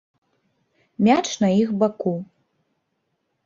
Мяч на іх баку.